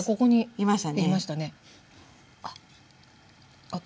いました。